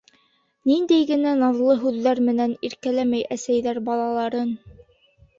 Ниндәй генә наҙлы һүҙҙәр менән иркәләмәй әсәйҙәр балаларын?!